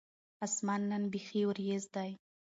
اسمان نن بیخي ور یځ دی